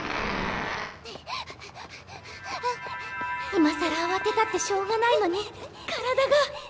いまさらあわてたってしょうがないのに体が。